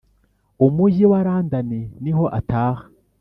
u mujyi wa london niho ataha